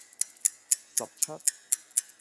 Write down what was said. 十七